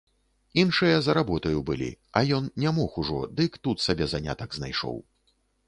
Іншыя за работаю былі, а ён не мог ужо, дык тут сабе занятак знайшоў.